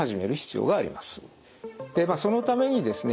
でまあそのためにですね